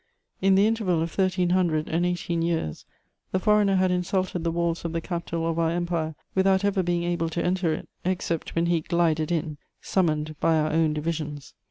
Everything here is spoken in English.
In the interval of thirteen hundred and eighteen years, the foreigner had insulted the walls of the capital of our empire without ever being able to enter it, except when he glided in, summoned by our own divisions.